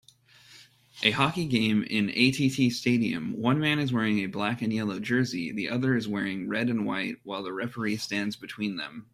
A hockey game in an ATT stadium one man is wearing a black and yellow jersey the other is wearing red and white while the referee stands between them